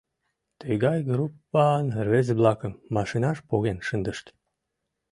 Тыгай группан рвезе-влакым машинаш поген шындышт.